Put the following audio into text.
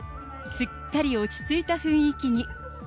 すっかり落ち着いた雰囲気に。